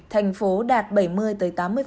thành phố đạt bảy mươi tám mươi